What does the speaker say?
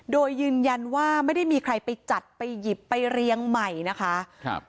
โดยยืนยันว่าไม่ได้มีใครไปจัดไปหยิบไปเรียงใหม่นะคะครับ